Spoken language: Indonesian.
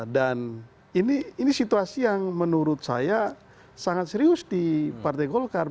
dan ini situasi yang menurut saya sangat serius di partai golkar